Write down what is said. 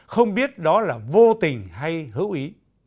không biết đó là vô tình hay hữu ý